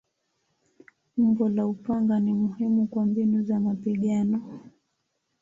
Umbo la upanga ni muhimu kwa mbinu za mapigano.